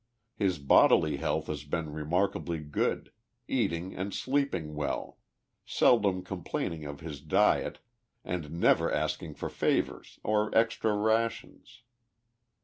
Ilis bodily health has been re markably good, eating and sleeping well ; seldom complaining ot his diet and never asking for favors or extra rations.